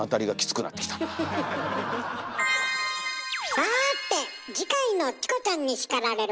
さて次回の「チコちゃんに叱られる！」